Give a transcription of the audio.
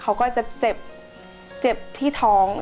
เขาก็จะเจ็บเจ็บที่ท้อง